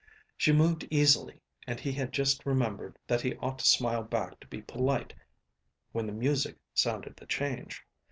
She moved easily, and he had just remembered that he ought to smile back to be polite when the music sounded the change.